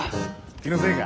気のせいか。